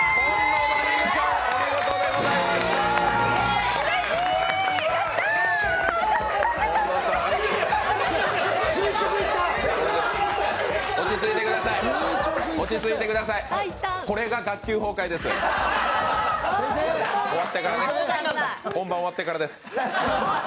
本番終わってからです。